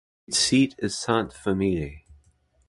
Its seat is Sainte-Famille.